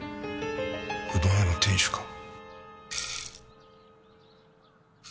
うどん屋の店主か。